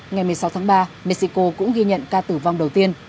ngày một mươi sáu tháng ba mexico cũng ghi nhận ca tử vong đầu tiên